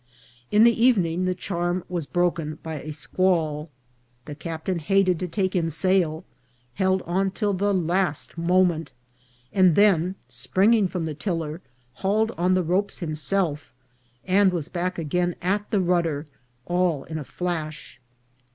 In the evening the charm was broken by a squall. The captain hated to take in sail, held on till the last moment, and then, springing from the tiller, hauled on the ropes himself, and was back again at the rudder, all in a flash.